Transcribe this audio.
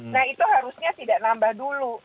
nah itu harusnya tidak nambah dulu